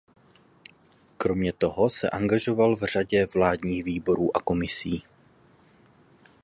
Kromě toho se angažoval v řadě vládních výborů a komisí.